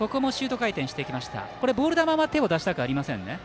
ボール球は手を出したくありませんね。